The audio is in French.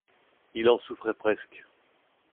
Il en souffrait presque.